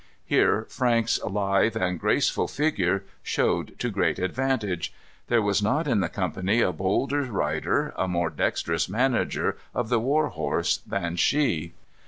Here Frank's lithe and graceful figure showed to great advantage. There was not in the company a bolder rider, a more dexterous manager of the war horse than she.